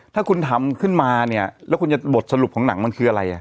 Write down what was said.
ถ้าคุณทำขึ้นมาเนี่ยแล้วคุณจะบทสรุปของหนังมันคืออะไรอ่ะ